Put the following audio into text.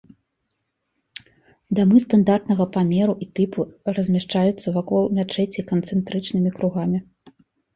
Дамы стандартнага памеру і тыпу размяшчаюцца вакол мячэці канцэнтрычнымі кругамі.